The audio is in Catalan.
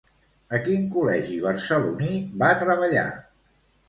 A quin col·legi barceloní va treballar?